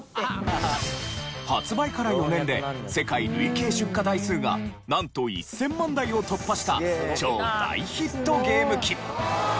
発売から４年で世界累計出荷台数がなんと１０００万台を突破した超大ヒットゲーム機。